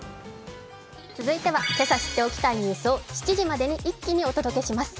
続いては今朝知っておきたいニュースを７時までに一気にお届けします。